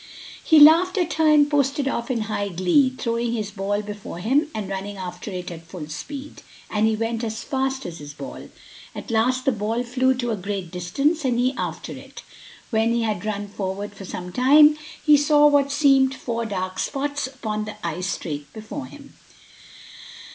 He laughed at her and posted off in high glee, throwing his ball before him and running after it at full speed; and he went as fast as his ball. At last the ball flew to a great distance, and he after it. When he had run forward for some time, he saw what seemed four dark spots upon the ice straight before him.